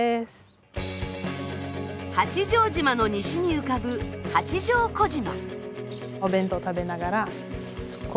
八丈島の西に浮かぶ八丈小島。